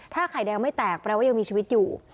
ถ้าไข่แดงไม่แตกแปลว่ายังมีชีวิตอยู่